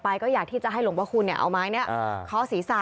พาไปก็อยากที่จะให้หลวงพ่อคูณเนี่ยเอาไม้เนี่ยเคาะศีรษะ